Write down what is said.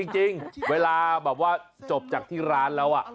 จริงเวลาแบบว่าจบจากที่ร้านแล้ว